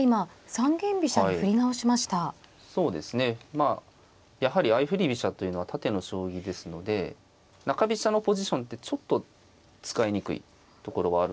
まあやはり相振り飛車というのは縦の将棋ですので中飛車のポジションってちょっと使いにくいところはあるんですよね。